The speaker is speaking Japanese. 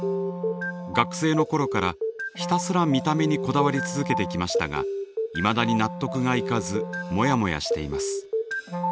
学生の頃からひたすら見た目にこだわり続けてきましたがいまだに納得がいかずモヤモヤしています。